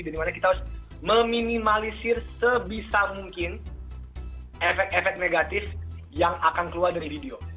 dimana kita harus meminimalisir sebisa mungkin efek efek negatif yang akan keluar dari video